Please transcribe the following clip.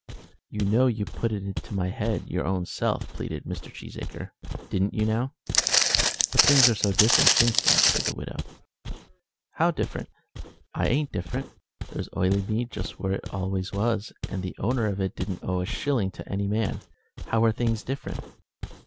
"You know you put it into my head your own self," pleaded Mr. Cheesacre. "Didn't you, now?" "But things are so different since that," said the widow. "How different? I ain't different. There's Oileymead just where it always was, and the owner of it don't owe a shilling to any man. How are things different?"